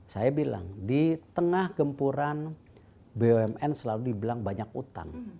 saya bilang di tengah gempuran bumn selalu dibilang banyak utang